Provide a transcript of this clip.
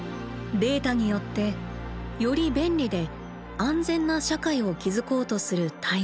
データによってより便利で安全な社会を築こうとする台湾。